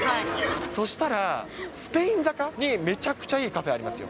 そうしたら、スペイン坂にめちゃくちゃいいカフェありますよ。